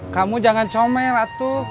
kamu jangan comel atu